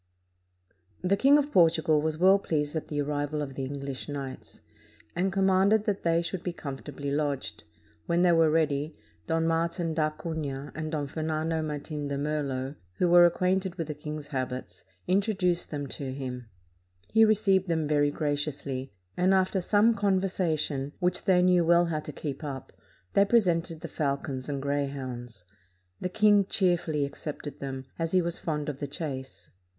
] The King of Portugal was well pleased at the arrival of the English knights, and commanded that they should be comfortably lodged. When they were ready, Don Martin d'Acunha and Don Fernando Martin de Merlo, who were acquainted with the king's habits, introduced 570 THE BETROTHAL OF PRINCESS PHILIPPA them to him. He received them very graciously; and after some conversation, which they knew well how to keep up, they presented the falcons and greyhounds. The king cheerfully accepted them, as he was fond of the chase.